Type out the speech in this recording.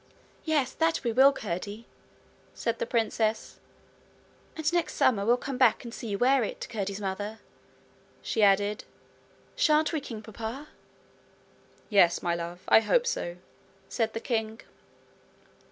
'Yes, that we will, Curdie!' said the princess. 'And next summer we'll come back and see you wear it, Curdie's mother,' she added. 'Shan't we, king papa?' 'Yes, my love; I hope so,' said the king.